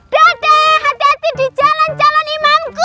dadah hati hati di jalan calon imamku